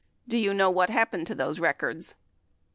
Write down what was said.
Do you know what happened to those records